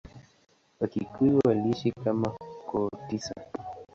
Wakikuyu waliishi kama koo tisa.